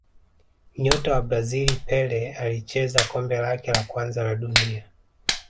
Nyota wa Brazil Pele alicheza kombe lake la kwanza la dunia